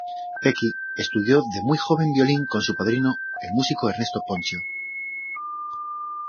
Pecci estudió de muy joven violín con su padrino el músico Ernesto Ponzio.